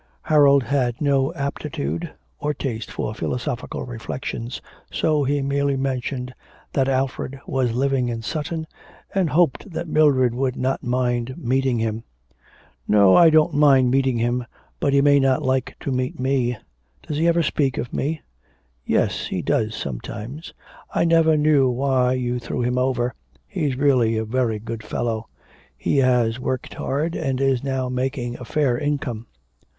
Harold had no aptitude or taste of philosophical reflections, so he merely mentioned that Alfred was living in Sutton, and hoped that Mildred would not mind meeting him. 'No, I don't mind meeting him, but he may not like to meet me. Does he ever speak of me?' 'Yes, he does sometimes.... I never knew why you threw him over. He's really a very good fellow. He has worked hard and is now making a fair income.'